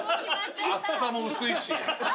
厚さも薄いし。